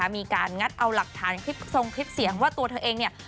มีการงัดเอาหลักฐานคลิปทรงคลิปเสียงว่าตัวเธอเองเนี่ย